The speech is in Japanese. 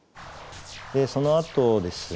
でそのあとですね